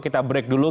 kita break dulu